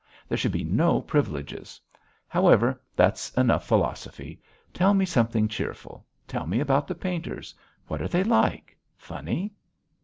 There should be no privileges. However, that's enough philosophy. Tell me something cheerful. Tell me about the painters. What are they like? Funny?"